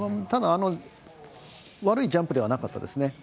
ただ、悪いジャンプではなかったですね。